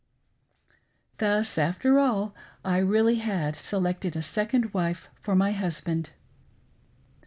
Thus, after all, I really had selected a second wife for my husband